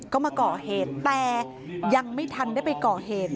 ก็มาก่อเหตุแต่ยังไม่ทันได้ไปก่อเหตุ